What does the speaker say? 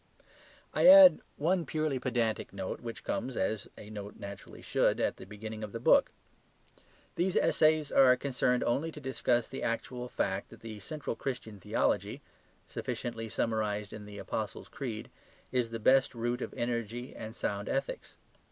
I add one purely pedantic note which comes, as a note naturally should, at the beginning of the book. These essays are concerned only to discuss the actual fact that the central Christian theology (sufficiently summarized in the Apostles' Creed) is the best root of energy and sound ethics.